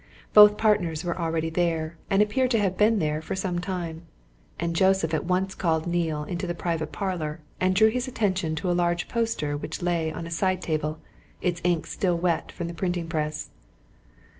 Both partners were already there, and appeared to have been there for some time. And Joseph at once called Neale into the private parlour, and drew his attention to a large poster which lay on a side table, its ink still wet from the printing press.